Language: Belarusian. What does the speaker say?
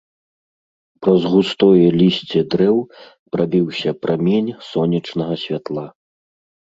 Праз густое лісце дрэў прабіўся прамень сонечнага святла.